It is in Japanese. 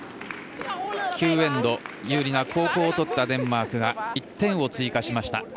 ９エンド有利な後攻をとったデンマークが１点を追加しました。